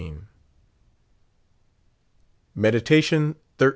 Meditation XIII.